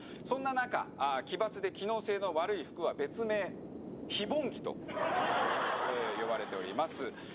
そんな中奇抜で機能性の悪い服は別名非凡着と呼ばれております